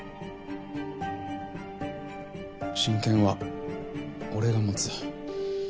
親権は俺が持つ。